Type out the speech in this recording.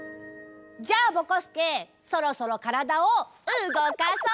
じゃあぼこすけそろそろからだをうごかそう！